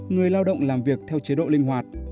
người lao động làm việc theo chế độ linh hoạt